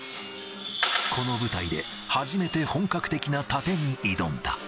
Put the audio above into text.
この舞台で、初めて本格的なタテに挑んだ。